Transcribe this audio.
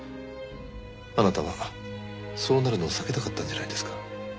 あなたはそうなるのを避けたかったんじゃないですか？